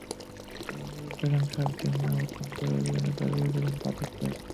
পরে পুলিশ সেখানে সাত দিন অবস্থান করে অভিযান চালিয়ে দুজনকে আটক করে।